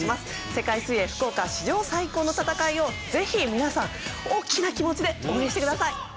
世界水泳福岡史上最高の戦いをぜひ皆さん大きな気持ちで応援してください。